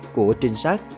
của trinh sát